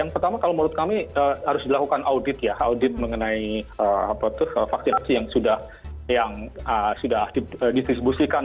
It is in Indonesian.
pertama kalau menurut kami harus dilakukan audit ya audit mengenai vaksinasi yang sudah didistribusikan